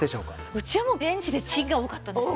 うちはもうレンジでチンが多かったんですよ。